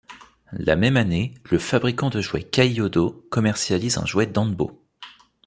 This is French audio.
La même année, le fabricant de jouets Kaiyodo commercialise un jouet Danbo.